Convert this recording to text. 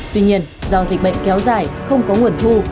tuy nhiên do dịch bệnh kéo dài không có nguồn thu